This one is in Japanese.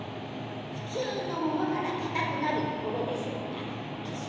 普通の者なら硬くなるところでしょうが年僅か１３の娘。